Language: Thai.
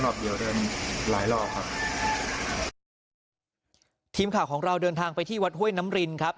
ทีมข่าวของเราเดินทางไปที่วัดห้วยน้ำรินครับ